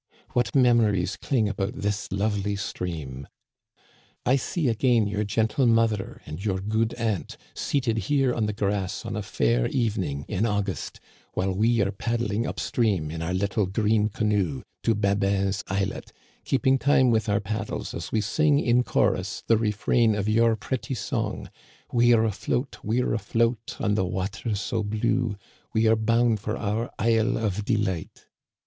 What memories cling about this lovely stream ! I see again your gentle mother and your good aunt seated here on the grass on a fair evening in August, while we are pad dling up stream, in our little green canoe, to Babin's Islet, keeping time with our paddles as we sing in chorus the refrain of your pretty song : We're afloat, we're afloat, on the water so blue. We are bound for our isle of delight.